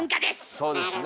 そうですね。